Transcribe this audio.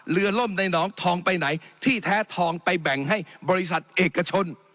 ล่มในหนองทองไปไหนที่แท้ทองไปแบ่งให้บริษัทเอกชน